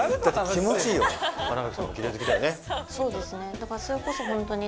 だからそれこそホントに。